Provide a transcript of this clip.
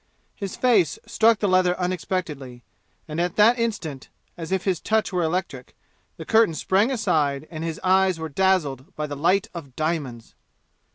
His face struck the leather unexpectedly, and at that instant, as if his touch were electric, the curtain sprang aside and his eyes were dazzled by the light of diamonds.